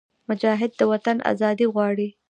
مجاهد د وطن ازادي غواړي.